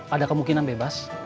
ada kemungkinan bebas